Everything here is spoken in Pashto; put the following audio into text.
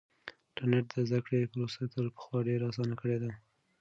انټرنیټ د زده کړې پروسه تر پخوا ډېره اسانه کړې ده.